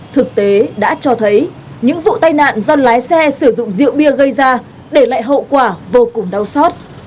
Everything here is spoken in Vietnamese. thực tế đã cho thấy những vụ tai nạn do lái xe sử dụng rượu bia gây ra để lại hậu quả vô cùng đau xót